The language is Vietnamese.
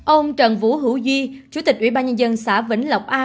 ông trần vũ hữu di chủ tịch ủy ban nhân dân xã vĩnh lộc a